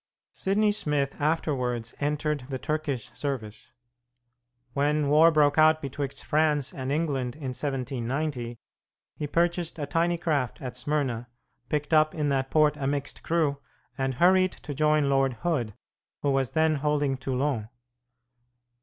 Sidney Smith afterwards entered the Turkish service. When war broke out betwixt France and England in 1790, he purchased a tiny craft at Smyrna, picked up in that port a mixed crew, and hurried to join Lord Hood, who was then holding Toulon.